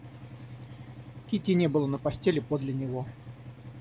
Кити не было на постели подле него.